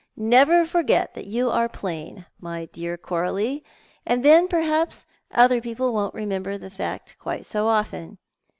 Never forget that you are plain, my dear Coralie, and then perhaps other people won't remctuber the fact quite so often.